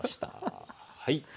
はい。